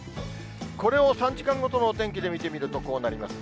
これを３時間ごとのお天気で見てみるとこうなります。